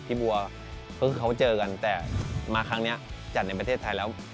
พี่บัวก็คือเขาเจอกันแต่มาครั้งนี้จัดในประเทศไทยแล้ว